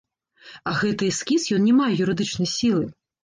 А гэты эскіз, ён не мае юрыдычнай сілы.